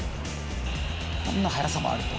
こんな速さもあると。